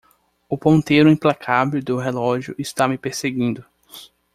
O ponteiro implacável do relógio está me perseguindo